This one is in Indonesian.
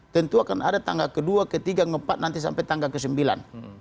tentu akan ada tangga kedua ketiga keempat nanti sampai tangga kesembilan